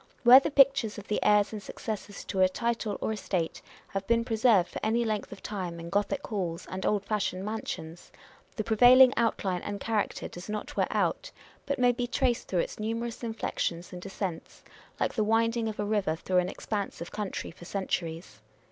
Where the pictures of the heirs and successors to a, title or estate have been preserved for any length of time in Gothic halls and old fashioned mansions, the pre vailing outline and character does not wear out, but may be traced through its numerous inflections and descents, like the winding of a river through an expanse of country, for centuries.